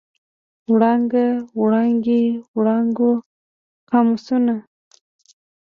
وړانګه، وړانګې، وړانګو، قاموسونه.